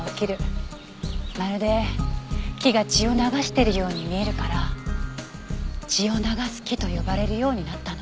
まるで木が血を流してるように見えるから血を流す木と呼ばれるようになったの。